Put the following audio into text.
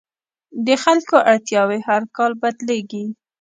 د خلکو اړتیاوې هر کال بدلېږي.